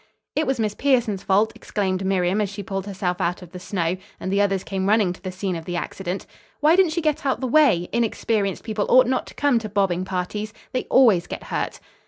"It was Miss Pierson's fault," exclaimed Miriam as she pulled herself out of the snow, and the others came running to the scene of the accident. "Why didn't she get out of the way? Inexperienced people ought not to come to bobbing parties. They always get hurt."